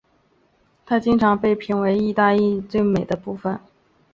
它经常被评价为意大利的最美丽的部分。